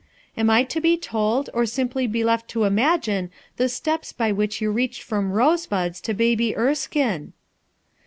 Am I to be told or simply be left to imagine the steps by which you reach cd from rosebuds to Baby Erskme?"